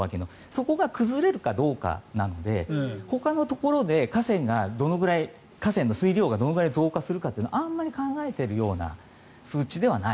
そこが崩れるかどうかなのでほかのところで河川の水量がどのくらいどのくらい増加するかはあんまり考えている数値ではない。